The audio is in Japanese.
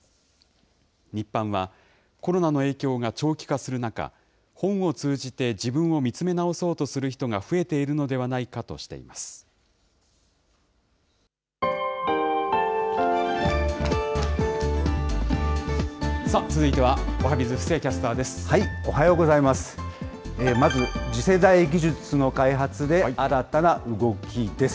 日販は、コロナの影響が長期化する中、本を通じて自分を見つめ直そうとする人が増えているのではないかとしています。